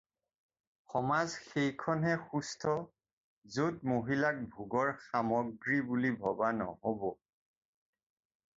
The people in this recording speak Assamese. সমাজ সেইখনহে সুস্থ য'ত মহিলাক ভোগৰ সামগ্ৰী বুলি ভবা নহ'ব।